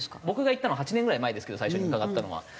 僕が行ったのは８年ぐらい前ですけど最初に伺ったのは。